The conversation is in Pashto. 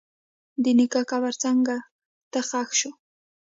د نیکه قبر څنګ ته ښخ شو.